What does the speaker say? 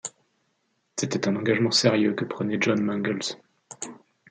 C’était un engagement sérieux que prenait John Mangles.